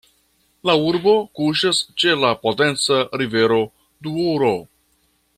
La urbo kuŝas ĉe la potenca rivero Douro.